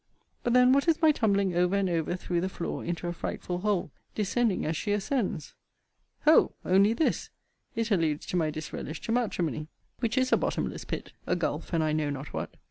But then what is my tumbling over and over through the floor into a frightful hole, descending as she ascends? Ho! only this! it alludes to my disrelish to matrimony: Which is a bottomless pit, a gulph, and I know not what.